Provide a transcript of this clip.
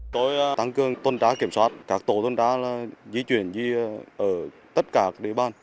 tôi tăng cương tôn trá kiểm soát các tổ tôn trá di chuyển ở tất cả địa bàn